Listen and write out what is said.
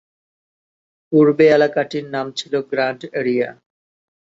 পূর্বে এলাকাটির নাম ছিল গ্রান্ড এরিয়া।